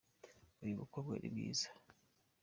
uyu mukobwa ni mwiza